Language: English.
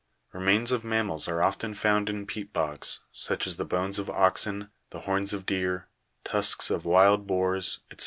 Remains of mammals are often found in peat. bogs, such as the bones of oxen, the horns of deer, tusks of wild boars, &c.